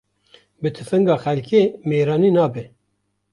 Bi tifinga xelkê mêrani nabe